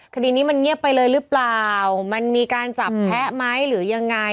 คดีนี้มันเงียบไปเลยหรือเปล่ามันมีการจับแพ้ไหมหรือยังไง